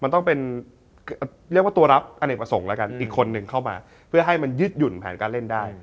มันต้องเป็นเรียกว่าตัวรับอเนกประสงค์แล้วกันอีกคนนึงเข้ามาเพื่อให้มันยึดหุ่นแผนการเล่นได้